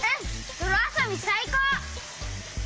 どろあそびさいこう！